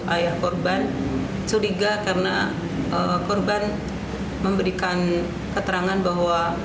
ayah korban curiga karena korban memberikan keterangan bahwa